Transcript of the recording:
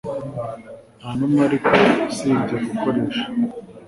Ntanumwe ariko usibye gukoresha